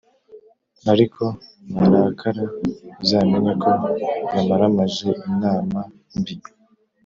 ariko narakara uzamenye ko yamaramaje inama mbi.